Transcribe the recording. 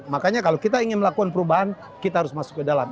makanya kalau kita ingin melakukan perubahan kita harus masuk ke dalam